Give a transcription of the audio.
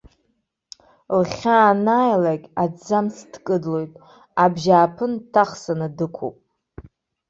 Лхьаа анааилак, аҭӡамц дкыдлоит, абжьааԥны дтаӷсаны дықәуп.